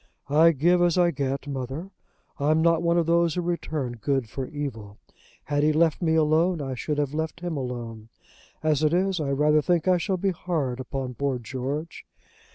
"I give as I get, mother. I'm not one of those who return good for evil. Had he left me alone, I should have left him alone. As it is, I rather think I shall be hard upon poor George.